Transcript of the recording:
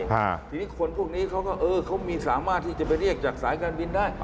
ทีนี้คนพวกนี้เขาก็เออเขามีสามารถที่จะไปเรียกจากสายการบินได้